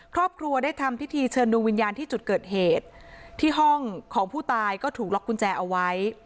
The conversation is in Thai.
ครอบครัวได้ทำพิธีเชิญดวงวิญญาณที่จุดเกิดเหตุที่ห้องของผู้ตายก็ถูกล็อกกุญแจเอาไว้